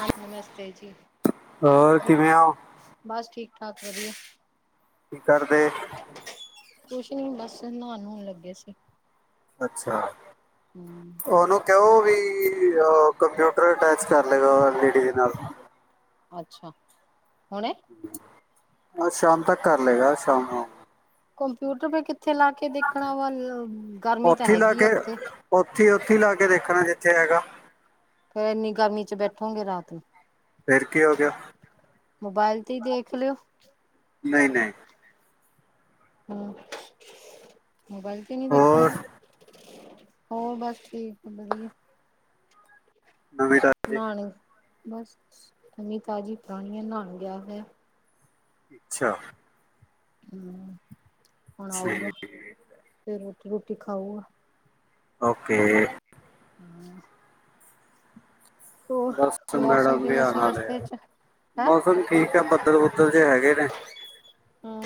ਹਾਂ ਨਮਸਤੇ ਜੀ ਹੋਰ ਕਿਵੇਂ ਹੋ ਬਸ ਠੀਕ ਠਾਕ ਵਧੀਆ ਕੀ ਕਰਦੇ ਕੁਛ ਨੀ ਬਸ ਨਉਣ ਹੋਣ ਲੱਗੇ ਸੀ। ਅੱਛਾ, ਹੂੰ ਉਹਨੂੰ ਕਿਉਂ ਵੀ ਕੰਪਿਊਟਰ ਅਟੈਚ ਕਰ ਲੇਗਾ ਐਲਈਡੀ ਦੇ ਨਾਲ ਅੱਛਾ, ਹੁਣੇ ਸ਼ਾਮ ਤੱਕ ਕਰ ਲਏਗਾ ਸ਼ਾਮ ਨੂ ਕੰਪਿਊਟਰ ਵੀ ਉੱਥੇ ਲਾਕੇ ਦੇਖਣਾ ਵੱਲ ਗਰਮੀ ਤਾਂ ਉੱਥੇ ਹੀ ਲਾ ਹੈਗੀ ਆ ਕੇ ਉੱਥੇ ਇੱਥੇ ਹੈਗਾ ਫਿਰ ਇੰਨੀ ਗਰਮੀ ਚ ਬੈਠੋਗੇ ਰਾਤ ਨੂੰ ਫਿਰ ਕੀ ਹੋ ਗਿਆ ਮੋਬਾਇਲ ਤੇ ਹੀ ਦੇਖ ਲਿਓ ਨਹੀਂ, ਨਹੀਂ ਹਮ ਮੋਬਾਈਲ ਤੇ ਨਈ ਦੇਖਣੀ ਹੋਰ ਹੋਰ ਬਸ ਠੀਕ ਆ ਵਧੀਆ ਨਵੇਂ ਤਾਜੀ ਨਹਾਣ ਬਸ ਨਵੀਂ ਤਾਜ਼ੀ ਪੁਰਾਣੀਆਂ ਨਾਹਨ ਗਯਾ ਹੋਇਆ ਹੈ। ਅੱਛਾ ਹਮ ਹੁਣ ਆਊਗਾ ਠੀਕ ਫਿਰ ਰੋਟੀ ਰੋਟੀ ਖਾਊਗਾ ਓਕੇ। ਹਮ ਬਸ ਮੌਸਮ ਮੈਡਮ ਵੀ ਕਿਵੇਂ ਆਉਣੇ ਸੀ ਆਲੇ ਰਸਤੇ ਆ ਚ ਹੈਂ ਮੌਸਮ ਠੀਕ ਹੈ ਬੱਦਲ ਬੁਦਲ ਜੇ ਆਏ ਨੇ। ਹਮ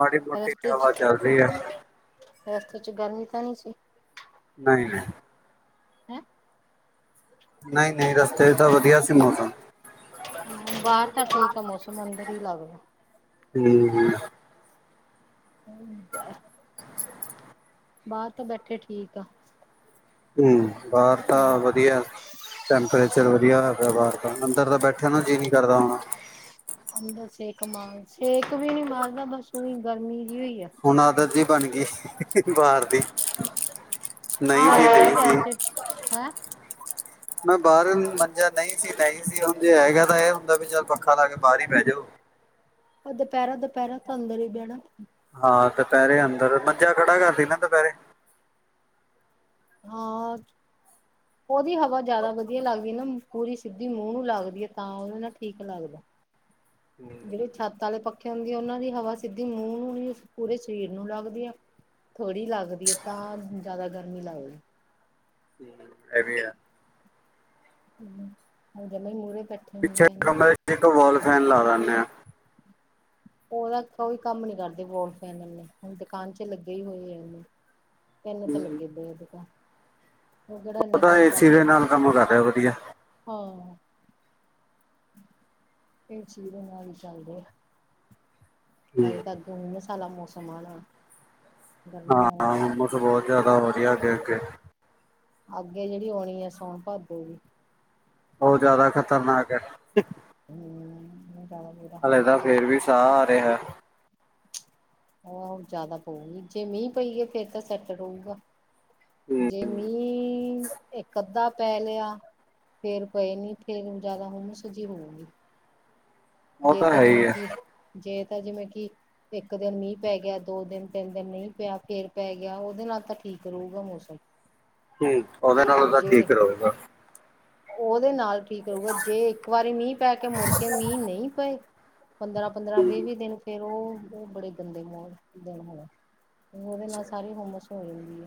ਮਾੜੀ ਮੋਟੀ ਰਸਤੇ ਹਵਾ ਚ, ਚੱਲ ਰਹੀ ਹੈ ਰਸਤੇ ਚ ਗਰਮੀ ਤੇ ਨਈ ਸੀ ਨਈ ਹੈਂ। ਨਹੀਂ, ਨਹੀਂ ਰਸਤੇ ਤਾਂ ਵਧੀਆ ਸੀ ਮੌਸਮ ਹਮ ਬਾਹਰ ਤਾਂ ਠੀਕ ਆ ਮੌਸਮ ਅੰਦਰ ਹੀ ਲੱਗਦਾ ਹਮ [inaudible] ਬਾਹਰ ਤੋਂ ਬੈਠੇ ਠੀਕ ਆ ਹਮ ਬਾਹਰ ਤਾਂ ਵਧੀਆ ਟੈਂਪਰੇਚਰ ਵਧੀਆ ਹੈਗਾ ਬਾਹਰ ਦਾ ਅੰਦਰ ਤਾਂ ਬੈਠਿਆ ਨਾ ਦਿਲ ਹੀ ਨਈ ਕਰਦਾ ਹੋਣਾ ਹਦਾ ਸੇਕ ਮਾਰ ਸੇਕ ਵੀ ਨਹੀ ਮਾਰਦਾ ਬਸ ਉਹੀ ਗਰਮੀ ਜਿਹੀ ਹੋਈ ਆ ਹੁਣ ਆਦਤ ਜੀ ਬਣ ਗਈ ਬਾਹਰ ਦੀ ਨਹੀਂ ਸੀ, ਆ ਨਹੀਂ ਸੀ ਵੈਸੇ ਹੈਂ ਮੈਂ ਬਾਹਰ ਨੂੰ ਮੰਜਾ ਨਹੀਂ ਸੀ ਨਹੀਂ ਸੀ ਹੁਣ ਜੇ ਹੈਗਾ ਤਾਂ ਇਹ ਹੁੰਦਾ ਵੀ ਚਾਰ ਪੱਖਾ ਲਾ ਕੇ ਬਾਹਰ ਹੀ ਪੈ ਜਾਓ [inaudible] ਦੁਪਹਿਰਾ, ਦੁਪਹਿਰਾ ਤਾਂ ਅਦਰ ਹੀ ਬਹਿਣਾ ਹਾਂ ਦੁਪਹਿਰੇ ਅੰਦਰ ਮੰਜਾ ਖੜਾ ਕਰਦੀ ਨਾ ਦੁਪਹਿਰੇ ਹਾਂ ਉਹਦੀ ਹਵਾ ਜਿਆਦਾ ਵਧੀਆ ਲੱਗਦੀ ਨਾ ਪੂਰੀ ਸਿੱਧੀ ਮੂੰਹ ਨੂੰ ਲੱਗਦੀ ਹ ਤਾਂ ਉਹਦੇ ਨਾਲ ਠੀਕ ਲੱਗਦਾ ਜਿਹੜੇ ਛੱਤ ਵਾਲੇ ਪੱਖੇ ਹੁੰਦੇ ਆ ਉਹਨਾਂ ਦੀ ਹਵਾ ਸਿੱਧੀ ਮੂੰਹ ਨੂੰ ਪੂਰੇ ਸਰੀਰ ਨੂੰ ਲੱਗਦੀ ਆ ਥੋੜੀ ਲੱਗਦੀ ਹ ਤਾਂ ਜਿਆਦਾ ਗਰਮੀ ਲਾ ਇਹ ਵੀ ਹੈ ਹਮ ਹਾਂ ਜ ਮਮੀਨ ਨਰੇ ਪਿੱਛੇ ਕਮਰੇ ਚ ਤਾਂ ਵਾਲ ਫੈਨ ਲਾ ਲੈਦੇ ਆ ਉਹ ਤਾਂ ਕੋਈ ਕੰਮ ਨਹੀਂ ਕਰਦੇ ਵਾਲ ਫੈਨ ਇਨੇ ਦੁਕਾਨ ਚ ਲੱਗੇ ਹੀ ਹੋਏ ਐ ਤਿੰਨ ਤਾਂ ਲੱਗੇ ਪਏ ਆ ਦੁਕਾਨ ਉਹ ਕਿਹੜਾ ਇੰਨੇ ਪਤਾ ਕੰਮ ਇਸੇ ਕਰਦੇ ਦਾ ਨਾਲ ਕੰਮ ਕਰ ਰਹੇ ਵਧੀਆ ਏਸੀ ਦੇ ਨਾਲ ਹੀ ਚੱਲਦੇ ਆ ਹਲੇ ਤਾਂ ਹਾਂ, ਉਹ ਮਸਲਾ ਮੌਸਮ ਆਣ ਵਾਲਾ ਹਾਂ ਹੋਮਸ ਬਹੁਤ ਜਿਆਦਾ ਆਉਣੀ ਹ ਅੱਗੇ ਅੱਗੇ ਅੱਗੇ ਜਿਹੜੀ ਆਉਣੀ ਹ ਸੋਨ ਭਾਦੋ ਉਹ ਜਿਆਦਾ ਖਤਰਨਾਕ ਹੈ ਹਮ ਹਾਲੇ ਤਾਂ ਫਿਰ ਵੀ ਸਾਹ ਆ ਰਿਹਾ। ਬਹੁਤ ਜਿਆਦਾ ਪਊਗੀ ਜੇ ਮੀਂਹ ਪੈ ਗਿਆ ਫਿਰ ਤਾਂ ਸੈਟ ਰਹੂਗਾ ਜੇ ਮੀ ਇਕ ਅੱਧਾ ਪੈ ਲਿਆ ਫਿਰ ਕੋਈ ਨਹੀਂ ਫੇਰ ਹੁਮਸ ਜੀ ਜਿਆਦਾ ਹੋਊਗੀ। ਉਹ ਜੇ ਤਾਂ ਹੈ ਹੀ ਜਿਵੇਂ ਹੈ ਕਿ ਜੇ ਤਾਂ ਜਿਵੇਂ ਕਿ ਇੱਕ ਦਿਨ ਮੀਂਹ ਪੈ ਗਿਆ ਦੋ ਦਿਨ ਤਿੰਨ ਦਿਨ ਨਹੀਂ ਪਿਆ ਉਹਦੇ ਨਾਲ ਤਾਂ ਠੀਕ ਰਹੂਗਾ ਮੌਸਮ‌‍‌। ਹੂ ਉਹਦੇ ਨਾਲ ਤਾਂ ਠੀਕ ਰਹੂਗਾ। ਉਹਦੇ ਨਾਲ ਠੀਕ ਰਹੂਗਾ ਜੇ ਇੱਕ ਵਾਰੀ ਮੀਂਹ ਪੈ ਕੇ ਮੁੜ ਕੇ ਮੀਂਹ ਨਹੀਂ ਪਏ ਪੰਦਰਾਂ ਪੰਦਰਾਂ ਬੀ ਬੀ ਫੇਰ ਉਹ ਬੜੇ ਗੰਦੇ ਮ ਉਹਦੇ ਨਾਲ ਸਾਰੀ ਹੁੰਮਸ ਹੋ ਜੂਗੀ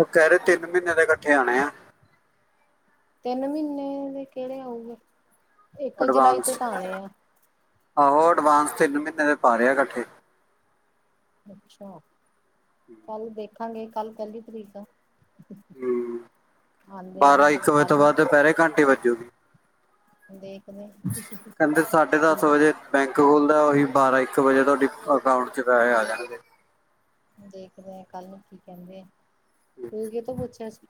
ਉਹ ਕਹਿ ਰਹੇ ਤਿੰਨ ਮਹੀਨੇ ਦਾ ਇਕੱਠੇ ਆਣੇ ਆ ਤਿੰਨ ਮਹੀਨੇ ਦੇ ਕਿਹੜੇ ਆਉਗੇ ਅਡਵਾਂਸ ਤੇ ਮਹੀਨੇ ਦੇ ਪਾ ਰਿਹਾ ਇਕੱਠੇ ਅੱਛਾ ਕੱਲ ਦੇਖਾਂਗੇ ਕੱਲ ਪਹਿਲੀ ਤਰੀਕ ਆ ਆਉਂਦੇ ਆ ਬਾਰਾਂ ਇੱਕ ਵਜੇ ਕੱਲ ਤੋਂ ਬਾਅਦ ਦੁਪਹਿਰੇ ਘੰਟੀ ਵੱਜੂਗੀ। ਦੇਖਦੇ ਕਹਿੰਦੇ ਸਾਡੇ ਕੀ ਦਸ ਵਜੇ ਖੋਲਦਾ ਉਹੀ ਬਾਰਾ ਇਕ ਵਜੇ ਤੱਕ ਤੁਹਾਡੇ ਅਕਾਊਂਟ ਚ ਪੈਸੇ ਆ ਜਾਣਗੇ। ਦੇਖਦੇ ਆਂ ਕੱਲ ਕੀ ਕਹਿੰਦੇ ਆ ਤੁਸੀਂ ਕਿੱਥੋਂ ਪੁੱਛਿਆ ਸੀ?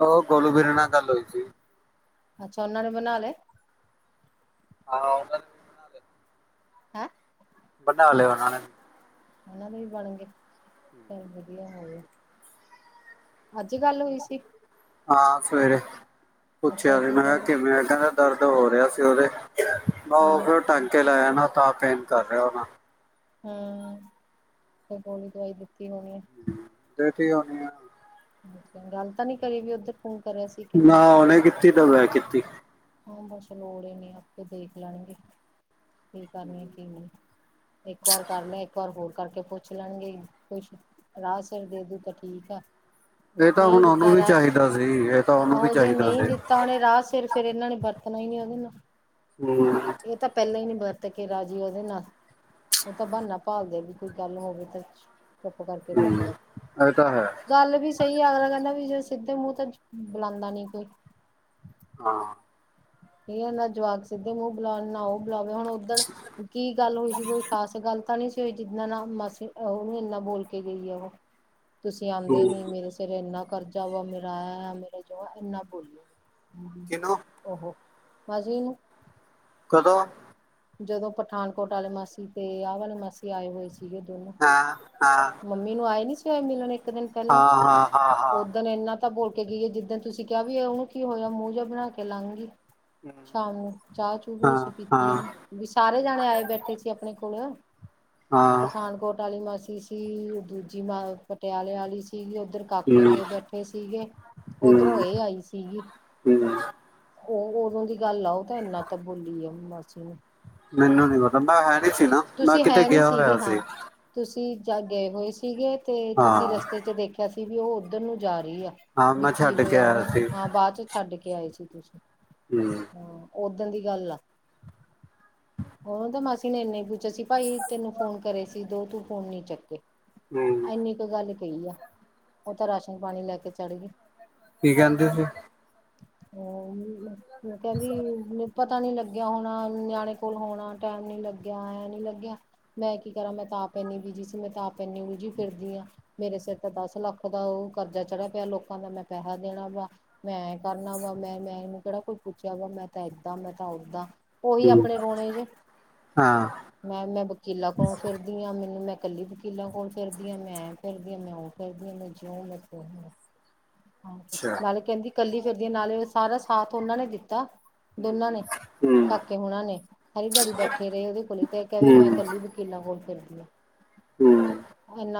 ਉਹ ਗੋਲੂ ਵੀਰੇ ਨਾਲ ਗੱਲ ਹੋਈ ਸੀ ਅੱਛਾ ਉਹਨਾਂ ਨੇ ਬਣਾ ਲਏ ਹਾਂ ਉਹਨਾਂ ਨੇ ਬਣਾ ਲਏ ਹੈ। ਬਣਾ ਲਏ ਉਹਨਾਂ ਨੇ ਉਹਨਾਂ ਦੇ ਵੀ ਬਣ ਗਏ ਚਲੋ ਵਧੀਆ ਹੋ ਗਿਆ। ਅੱਜ ਗੱਲ ਹੋਈ ਸੀ? ਆ ਸਵੇਰੇ ਅੱਛਾ ਪੁੱਛਿਆ ਸੀ ਕੀ ਮੈਂ ਕਹਿੰਦੇ ਕਿ ਮੈਂ ਕਹਿੰਦਾ ਦਰਦ ਹੋ ਰਿਹਾ ਸੀ ਉਹਦੇ ਹਾਂ ਬਸ ਫਿਰ ਉਹ ਟਾਂਗ ਕੇ ਲਾਇਆ ਨਾ ਤਾਂ ਪੈਂਟ ਕਰ ਰਹੇ ਫਿਰ ਉਹਨਾਂ ਨੂੰ ਹਮ ਹੁਣ ਹੀ ਦਵਾਈ ਦਿੱਤੀ ਹੋਣੀ ਦਿੱਤੀ ਹੋਣੀ ਹ ਗੱਲ ਤਾਂ ਨਹੀਂ ਕਰੀ ਬਈ ਉਧਰ ਫੋਨ ਕਰਿਆ ਸੀ ਕਿ ਨਹੀਂ ਨਾ ਉਹਨੇ ਕੀਤੀ ਕੀਤੀ ਤਾਂ ਮੈਂ ਕੀਤੀ ਉਹ ਕੁਝ ਲੋੜ ਹੀ ਨਹੀਂ ਆਪੇ ਵੇਖ ਲੈਣਗੇ ਕੀ ਕਰਨਾ ਕੀ ਨਹੀਂ ਇੱਕ ਵਾਰ ਕਰ ਲੈ ਇੱਕ ਵਾਰ ਹੋਰ ਕਰਕੇ ਪੁੱਛ ਲੈਣਗੇ ਕੁਛ ਰਾਹ ਸਿਰ ਦੇ ਦੂ ਤਾਂ ਠੀਕ ਆ ਤਾਂ ਨਹੀਂ ਇਹ ਹੁਣ ਉਹਨੂੰ ਦਿੱਤਾ ਵੀ ਰਾ ਚਾਹੀਦਾ ਸੀ ਇਹ ਤਾਂ ਉਹਨੂੰ ਵੀ ਆਓ ਜੇ ਚਾਹੀਦਾ ਨਹੀਂ ਸੀ ਦਿੱਤਾ ਉਹਨੇ ਰਾਹ ਸਿਰਫ ਫਿਰ ਇਹਨਾਂ ਨੇ ਵਰਤਣਾ ਹੀ ਨੀ ਉਹਦੇ ਨਾਲ। ਹੂੰ ਇਹ ਤਾਂ ਪਹਿਲਾਂ ਹੀ ਨਹੀਂ ਵਰਤ ਕੇ ਰਾਜੀ ਉਹਦੇ ਨਾਲ। ਉਹ ਤਾਂ ਬਹਾਨਾ ਭਾਲਦੇ ਵੀ ਕੋਈ ਗੱਲ ਹੋਵੇ ਤੇ। ਚੁੱਪ ਕਰਕੇ ਹੂੰ ਬੈਠੀ ਆ ਇਹ ਤਾਂ ਹੈ ਗੱਲ ਵੀ ਸਹੀ ਅਗਲਾ ਕਹਿੰਦਾ। ਜ ਸਿੱਧੇ ਮੂੰਹ ਤਾਂ ਬੁਲਾਉਂਦਾ ਨੀ ਕੋਈ। ਹਾਂ। ਨਾ ਜਵਾਕ ਸਿਧੇ ਮੂੰਹ ਬਲਾਨ ਨਾ ਉਹ। ਬੁਲਾਵੇ ਹੁਣ ਉੱਧਰ ਕੀ ਗੱਲ ਹੋਈ ਸੀ ਕੋਈ ਖਾਸ ਗੱਲ ਤਾਂ ਨਹੀਂ ਸੀ। ਜਿਨਾ ਨ ਮਾਸੀ ਉਹ ਨ ਇਨਾ ਬੋਲ ਕੇ ਗਈ ਆ ਉਹ। ਤੁਸੀਂ ਆਉਂਦੇ ਨੀ ਮੇਰੇ ਸਿਰ ਇਨਾ ਕਰਜ਼ਾ ਵਾ ਮੇਰਾ ਆ ਵਾ ਮੇਰੇ ਜੋ ਇਨਾ ਬੋਲੇ। ਕਿਨੂੰ ਉਹ ਅਜੇ ਨੂੰ। ਕਦੋਂ। ਜਦੋਂ ਪਠਾਨਕੋਟ ਵਾਲੀ ਮਾਸੀ ਤੇ ਆਹ ਵਾਲੇ ਮਾਸੀ ਆਏ ਹੋਏ ਸੀਗੇ ਦੋਨੋ। ਹਾਂ ਹਾਂ ਮੰਮੀ ਨੂੰ ਆਏ ਨੀ ਸੀ ਹੋਏ ਮਿਲਣ ਇੱਕ ਦਿਨ ਪਹਿਲਾਂ ਹਾਂ ਹਾਂ ਹਾਂ ਓ ਹਾਂ ਦਿਨ ਇੰਨਾ। ਤਾਂ ਬੋਲ ਕੇ ਗਈਏ ਜਿੱਦਾਂ ਤੁਸੀਂ ਕਿਹਾ ਵੀ ਉਹਨੂੰ ਕੀ ਹੋਇਆ ਮੂੰਹ ਜਿਹਾ ਬਣਾ ਕੇ ਲੰਘ ਗਈ। ਸ਼ਾਮ ਨੂੰ ਚਾਹ ਚੂ ਵੀ ਨਹੀਂ ਸੀ ਹਾਂ ਪੀਤੀ ਹਾਂ ਇਹਨੇ ਵੀ ਸਾਰੇ ਜਾਣੇ ਆਏ ਬੈਠੇ ਸੀ ਆਪਣੇ ਕੋਲ। ਹਾਂ ਪਠਾਨਕੋਟ ਵਾਲੀ ਮਾਸੀ ਸੀ ਦੂਜੀ ਮਾ ਪਟਿਆਲੇ ਵਾਲੀ ਸੀ। ਸੀਗੀ ਉ ਓਧਰ ਕਾਕੇ ਹੂੰ ਕੇ ਬੈਠੇ ਸੀਗੇ ਉ ਓਧਰੋਂ ਹੂੰ ਇਹ ਆਈ ਸੀਗੀ। ਹੂੰ ਉਹ ਉਦੋਂ ਦੀ ਗੱਲ ਆ ਉਹ ਤਾਂ ਇੰਨਾ ਤਾਂ ਬੋਲੀ ਆ ਮਾਸੀ ਨੂੰ। ਮੈਨੂੰ ਨੀ ਪਤਾ ਮੈਂ ਹੈ ਨੀ ਸੀ ਨਾ, ਮੈਂ ਤੁਸੀਂ ਕਿਤੇ ਹੈ ਨਹੀਂ ਗਿਆ ਸੀਗੇ ਹੋਇਆ ਸੀ। ਹਾਂ। ਤੁਸੀਂ ਗਏ ਹੋਏ ਸੀਗੇ ਤੇ ਤੁਸੀਂ ਹਾਂ ਰਸਤੇ ਚ ਦੇਖਿਆ ਸੀ ਵੀ ਉਹ ਉੱਧਰ ਨੂੰ ਜਾ ਰਹੇ। ਹਾਂ ਮੈਂ ਛੱਡ ਕੇ ਆਇਆ ਸੀ [unintelligible] ਹਮ। ਓਦਣ ਦੀ ਗੱਲ ਆ ਉਹ ਤਾਂ ਮਾਸੀ ਨੇ ਇੰਨਾ। ਸੀ ਭਾਈ ਤੈਨੂੰ ਫੋਨ ਕਰੇ ਸੀ ਦੋ ਤੂੰ ਫੋਨ ਨੀ ਚੱਕੇ ਇੰਨੀ ਕੁ ਗੱਲ। ਗਈ ਆ ਉਹ ਤਾਂ ਰਾਸ਼ਨ ਪਾਣੀ ਲੈ ਕੇ ਚੜ ਗਈ। ਕੀ ਕਹਿੰਦੇ ਸੀ। ਹ ਕਹਿੰਦੀ ਮ। ਪਤਾ ਨਹੀਂ ਲੱਗਿਆ ਹੋਣਾ ਨਿਆਣੇ ਕੋਲ ਹੋਣਾ ਟਾਈਮ ਨੀ ਲੱਗਿਆ ਐ। ਲੱਗਿਆ ਮੈਂ ਕੀ ਕਰਾਂ ਮੈਂ ਤਾ ਆਪ ਇਨੀ ਬੀਜੀ ਸੀ ਮੈਂ ਤਾ ਆਪ ਇਨੀ ਉਲਝੀ ਫਿਰਦੀ ਆਂ ਮੇਰੇ ਸਿਰ ਤਾਂ ਦੱਸ। ਦ ਲੱਖ ਦਾ ਉਹ ਕਰਜ਼ਾ ਚੜਿਆ ਪਿਆ ਲੋਕਾਂ ਦਾ ਮੈਂ ਪੈਸਾ ਦੇਣਾ ਵਾ ਮੈਂ ਇਹ ਕਰਨਾ ਵਾ ਮੈਂ ਮੈਂਨੂੰ। ਕੋਈ ਪੁੱਛਿਆ ਵਾ ਮੈਂ ਤਾਂ ਏਦਾਂ ਮੈਂ ਤਾਂ ਓਦਾਂ ਉਹੀ ਆਪਣੇ ਰੋਣੇ ਜੇ। ਹਾਂ ਮੈਂ-ਮੈਂ ਵਕੀਲਾ ਕੋਲੋਂ ਫਿਰਦੀ ਆ ਮੈਨੂੰ ਮੈਂ। ਕੱਲੀ ਵਕੀਲਾਂ ਕੋਲ ਫਿਰਦੀਆਂ ਮੈਂ ਐ ਫਿਰਦੀ ਆ ਮੈਂ ਉਹ ਫਿਰਦੀ ਹ ਮੈਂ ਜਿਉਂ ਮੈਂ ਤ। ਅੱਛਾ ਨਾਲੇ ਕਹਿੰਦੀ ਕੱਲੀ ਫਿਰਦੀਆਂ ਨਾਲੇ ਸਾਰਾ ਸਾਥ ਉਹਨਾਂ ਨੇ ਦਿੱਤਾ। ਦੋਨਾਂ ਨੇ ਹਮ। ਕਾਕੇ ਹੋਣਾ ਨੇ ਸਾਰੀ ਦਿਹਾੜੀ ਬੈਠੇ ਰਹੇ ਉਹਦੇ ਕੋਲ ਤੇ ਕਹਿਵੇ ਮੈਂ ਕੱਲੀ ਵਕੀਲਾਂ ਕੋਲ ਫਿਰ। ਹਮ।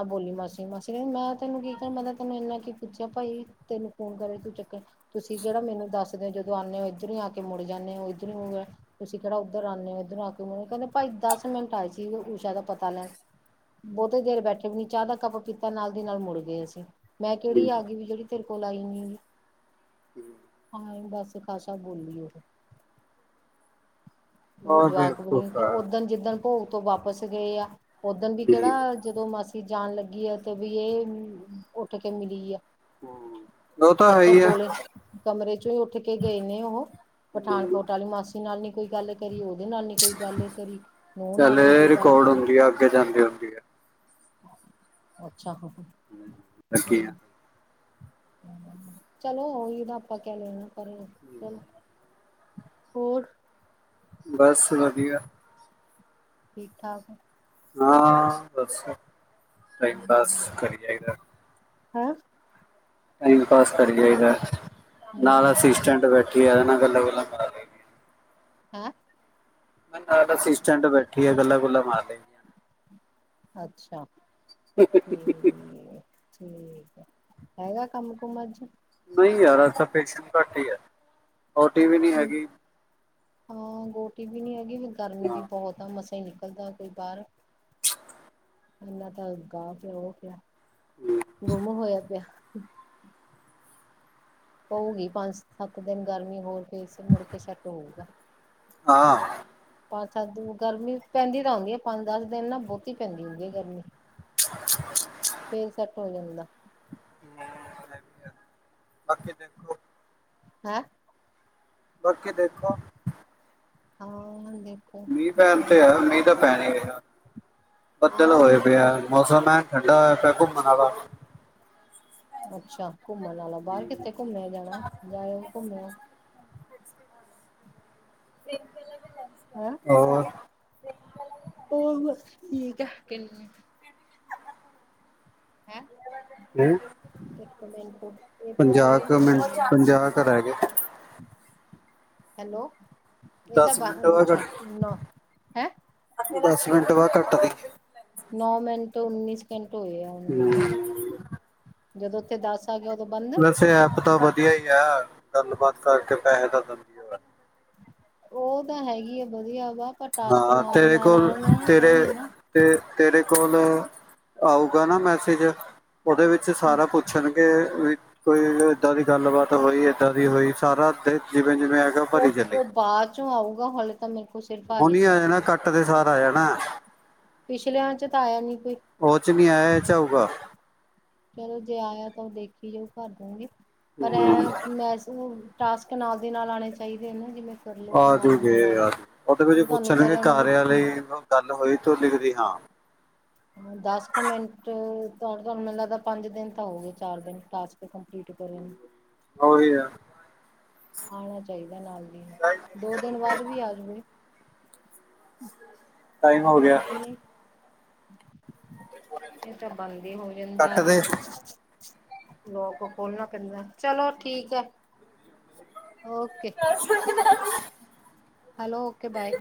ਬੋਲੀ ਮਾਸੀ-ਮਾਸੀ ਮੈਂ ਤੈਨੂੰ ਕੀ ਕਿਹਾ ਮੈਂ ਕਿਹਾ ਤੈਨੂੰ ਇੰਨਾ ਕੀ ਪੁੱਛਿਆ ਭਾਈ। ਤੈਨੂੰ ਫੋਨ ਕਰੇ ਤੂੰ ਚੱਕਰ ਤੁਸੀਂ ਕਿਹੜਾ ਮੈਨੂੰ ਦੱਸ ਦਿਦੇ ਹੋ ਜਦੋਂ ਆਉਂਦੇ ਹੋ ਇੱਧਰ ਹੀ ਆ ਕੇ ਮੁੜ ਜਾਂਦੇ ਹੋ ਇੱਧਰ ਹੀ। ਤੁਸੀਂ ਕਿਹੜਾ ਉੱਧਰ ਆਉਂਦੇ ਹੋ ਉੱਧਰ ਆ ਕੇ ਮ ਕਹਿੰਦੇ ਭਾਈ ਦਸ ਮਿੰਟ ਆਏ ਸੀ ਊਸ਼ਾ ਦਾ ਪਤਾ ਲੈਣ। ਬਹੁਤੇ ਦੇਰ ਬੈਠੇ ਵੀ ਨੀ ਚਾਹ ਦਾ ਕੱਪ ਪੀਤਾ ਨਾਲ ਦੀ ਨਾਲ ਮੁੜ ਗਏ ਅਸੀਂ ਮੈਂ ਕਿਹੜੀ ਆ ਗਈ ਵੀ ਜਿਹੜੀ। ਤੇਰੇ ਕੋਲ ਆਈ ਨਹੀਂ ਹੈਗੀ। ਏਹਨ ਬੱਸ ਖਾਸ਼ਾ ਬੋਲੀ ਉਹ। ਉਹਦੇ ਉਹ ਜਵਾਕ ਵੀ ਨੀ ਬੇਵਕੂਫ ਕਿ ਉ ਆ ਓਦਣ ਜਿੱਦਣ। ਭੋਗ ਤੋਂ ਵਾਪਸ ਗਏ ਆ ਓਦਣ ਵੀ ਕਿਹੜਾ ਜਦੋਂ ਮਾਸੀ। ਜਾਣ ਲੱਗੀ ਆ ਤੇ ਵੀ ਇਹ ਉੱਠ ਕੇ ਮਿਲੀ ਆ। ਹ ਉਹ ਤਾਂ ਹੈ ਹੀ। ਜਦੋਂ ਉੱਠ ਕੇ ਗਏ ਨੇ ਉਹ ਪਠਾਨਕੋਟ ਵਾਲੀ ਮਾਸੀ ਨਾਲ ਨੀ ਕੋਈ ਗੱਲ ਕਰੀ ਉਹ। ਉਹਦੇ ਨਾਲ ਨ ਕੋਈ ਗੱਲ ਕਰੀ ਨੂੰਹ ਚੱਲ ਨਾਲ ਨੀ ਕੋਈ ਇਹ ਗੱਲ ਰਿਕਾਰਡ ਕਰੀ। ਹੁੰਦੀ ਆ ਅੱਗੇ ਜਾਂਦੀ ਹੁੰਦੀ ਆ ਅੱਛਾ। ਹਾਂ [unintelligible] ਚਲੋ ਉਹੀ ਨਾ ਆਪਾਂ ਕਹਿ ਲਿਆਣਾ ਪਰ ਚਲੋ ਹੋਰ? ਬਸ ਵਧੀਆ। ਠੀਕ ਠਾਕ? ਹਾਂ ਬਸ ਟਾਈਮ ਪਾਸ ਕਰੀ ਜਾਇਦਾ। ਹਮ। ਟਾਈਮ ਪਾਸ ਕਰੀ ਜਾਏਦਾ ਹੂੰ ਨਾਲ ਅਸੀਂ ਹੂੰ ਸਟੈਂਟ ਬੈਠੀਏ ਗੱਲਾ ਗੱਲਾ ਕਰਾ ਲਈਦੀ ਹੈ। ਹੈਂ ਨਾਲ ਅਸਿਸਟੈਂਟ ਬੈਠੀ ਆ ਗੱਲਾਂ ਗੱਲਾਂ ਮਾਰ ਲਈਦੀ ਹੈਂ। ਅੱਛਾ ਠੀਕ ਹੈ। ਠੀਕ ਹੈ ਹੈਗਾ ਕੰਮ ਕੁਮ ਅੱਜ? ਨਹੀਂ ਯਾਰ ਇਥ ਪੇਸ਼ਨਟ ਘੱਟ ਹੀ ਹੈ ਓ ਟੀ ਵੀ ਨਹੀਂ ਹੈਗੀ ਹਾਂ ਓ ਟੀ ਵੀ ਨੀ ਹੈਗੀ ਵੀ ਗਰਮੀ ਹਾਂ ਵੀ ਬਹੁਤ ਆ ਮਸਾਂ ਹੀ ਨਿਕਲਦਾ ਕੋਈ ਬਾਹਰ। [inaudible] ਇਨਾ ਤਾਂ [unintelligible] ਪਿਆ ਉਹ ਪਿਆ ਗੁੰਮ ਹੋਇਆ ਪਿਆ। ਪਊਗੀ ਪੰਜ ਸੱਤ ਦਿਨ ਗਰਮੀ ਹੋਰ ਫਿਰ ਮੁੜਕੇ ਸੈੱਟ ਹੋਊਗਾ। ਹਾਂ। ਪੰਜ ਸੱਤ ਦਿਨ, ਗਰਮੀ ਪੈਂਦੀ ਤਾਂ ਹੁੰਦੀ ਹੈ। ਪੰਜ ਦਸ ਦਿਨ ਨਾ, ਬਹੁਤੀ ਪੈਂਦੀ ਹੁੰਦੀ ਹੈ ਗਰਮੀ। ਫੇਰ ਸੈਟ ਹੋ ਜਾਂਦਾ। ਹਮ ਵੀ ਬਾਕੀ ਦੇਖੋ [unintelligible] ਹੈਂ? ਬਾਕੀ ਦੇਖੋ। ਹਾਂ ਹਾਂਜੀ। ਮੀਂਹ ਪੈਣ ਤੇ ਹੈ, ਮੀਂਹ ਤਾਂ ਪੈ ਹੀ ਨਹੀ ਰਿਹਾ? ਬੱਦਲ ਹੋਏ ਪਏ ਹਾਂ ਆ ਮੌਸਮ ਐਣ? ਠੰਡਾ ਹੋਇਆ ਪਿਆ ਘੁੰਮਣ ਆਲਾ। ਅੱਛਾ- ਘੁੰਮਣ ਵਾਲਾ, ਬਾਹਰ ਕਿੱਥੇ ਘੁੰਮਿਆ ਜਾਣਾ, ਜਾਇਓ ਘੁੰਮਿਓ। [inaudible] ਹੈਂ, ਹੋਰ ਹੋਰ ਬਸ ਠੀਕ ਹੈ। ਹੈਂ? ਹੂੰ? ਇੱਕ ਮਿੰਟ। ਇਹ ਤਾਂ ਹੁਣ ਪੰਜਾਹ ਉਹ ਕੁ ਨੀ ਹੋ ਮਿੰਟ, ਰਿਹਾ ਪੰਜਾਹ ਘਰ ਹੈਗੇ। ਹੈਲੋ ਇਹ ਤਾਂ ਦਸ ਮਿੰਟ ਵਾ ਘੱਟ ਹੈਂ [unintelligible] ਦਸ ਮਿੰਟ ਬਾਅਦ ਕੱਟਦੀ। ਨੌ ਮਿੰਟ ਉੱਨੀ ਸੈੰਕੀਡ। ਹੂੰ। ਜਦੋਂ ਉੱਥੇ ਦਸ- ਆ ਗਿਆ ਉਦੋਂ ਬੰਦ ਵੈਸੇ ਐਪ ਤਾਂ ਵਧੀਆ ਹੀ ਹੈ। ਗੱਲਬਾਤ ਕਰਕੇ ਪੈਸੇ ਤਾਂ ਵਧੀਆ ਬਣ ਜਾਂਦੇ। ਉਹ ਤਾਂ ਹੈਗੀ ਆ, ਵਧੀਆ ਵਾ, ਪਰ ਟਾਸਕ ਹਾਂ ਨਾਲ ਦੀ ਤੇਰੇ ਨਾਲ ਕੋਲ ਆਉਣ ਤਾਂ ਤੇਰੇ ਹੀ ਹੈ ਨਾ। ਤੇ ਤੇਰੇ ਕੋਲ ਆਊਗਾ ਨਾ ਮੈਸੇਜ, ਉਹਦੇ ਵਿੱਚ ਸਾਰਾ ਪੁੱਛਣ? ਵੀ ਕੋਈ ਇੱਦਾਂ ਦੀ ਗੱਲਬਾਤ ਹੋਈ ਏਦਾਂ ਦੀ ਹੋਈ ਸਾਰਾ ਦੇ ਜਿ ਉਹ-ਉਹ ਬਾਅਦ ਚੋਂ ਆਊਗਾ? ਹਲੇੇ ਤਾਂ ਮੈਂ! ਹੁਨੀ ਆ ਜਾਣਾ, ਕੱਟ ਦੇ ਸਾਰ ਆ ਜਾਣਾ। ਪਿਛਲਿਆਂ ਚ ਤਾਂ ਆਇਆ ਨਹੀਂ ਕੋਈ। ਨਹੀ ਆਇਆ ਇਸ ਚ ਆਊਗਾ। ਚਲੋ ਜੇ ਆਇਆ ਤਾਂ, ਉਹ ਦੇਖੀ ਜਾਉ, ਉਹ ਭਰ ਦੂਗੀ ਪਰ ਐ ਮੈਸਿਜ ਮੂਸਿਜ। ਟਾਸਕ ਨਾਲ ਦੀ ਨਾਲ, ਆਉਣੇ ਚਾਹੀਦੇ ਨੇ ਨਾ ਜਿਵੇਂ? ਕਰਲੋ ਤੇ ਨਾਲ ਆਜੂ ਦੀ ਗੇ ਨਾਲ ਆ ਜਾਏ। ਯਾਰ, ਉਹਦੇ ਵਿੱਚ ਹੁਣ ਤੁਹਾਨੂੰ ਪੁੱਛਣਗੇ ਕਰਿਆ ਨੂੰ ਵੀ ਕਾਰਿਆ ਲਈ- ਗੱਲ ਹੋਈ ਤੂੰ ਲਿਖਦੀ ਹਾਂ। ਹੂ ਦਸ ਕੁ ਮਿੰਟ, ਤੁਹਾਨੂੰ ਮੈਨੂੰ ਲੱਗਦਾ, ਪੰਜ ਦਿਨ ਤਾਂ ਹੋਗੇ, ਚਾਰ ਦਿਨ ਟਾਸਕ ਕਮਪਲਿਟ? ਕੀਟ ਕੋਲ! [unintelligible] ਉਹੀ ਆ ਆਉਣਾ ਚਾਹੀਦਾ ਨਾਲ ਦੀ ਨਾਲ, ਦੋ ਦਿਨ ਬਾਅਦ ਵੀ ਆ ਜਾਵੇ? ਟਾਈਮ ਹੋ ਗਿਆ। ਕਿ ਨਹੀਂ ਇਹ ਤਾਂ ਬੰਦ ਹੀ ਹੋ ਜਾਂਦਾ ਕੱਟ ਹੈ। ਦੇ ਲੋਕ ਖੋਲਣਾ ਪੈਂਦਾ, ਚਲੋ ਠੀਕ ਹੈ ਓਕੇ। ਹਨ। [unintelligible] Hello okay bye.